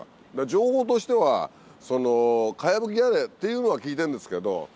情報としては茅葺き屋根っていうのは聞いてんですけど。